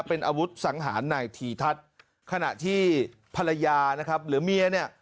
เป็นอาวุธสังหารนายธีทัศน์ขณะที่ภรรยานะครับหรือเมียเนี่ย